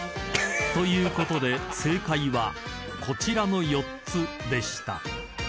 ［ということで正解はこちらの４つでした］